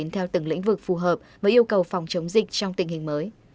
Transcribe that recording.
theo từng lĩnh vực phù hợp với yêu cầu phòng chống dịch trong tình hình mới